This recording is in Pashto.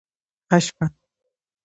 ښه شپه